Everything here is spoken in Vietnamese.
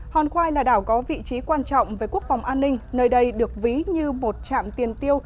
hòn khoai là đảo có vị trí quan trọng với quốc phòng an ninh nơi đây được ví như một trạm tiền tiêu